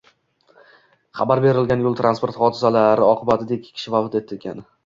Xabar berilgan yo´l transport hodisasilar oqibatidaikkikishi vafot etgan